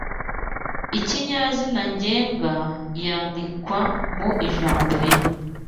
ikinyazina ngenga yandikwa mu ijambo rimwe